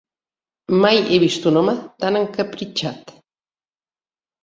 Mai he vist un home tan encapritxat.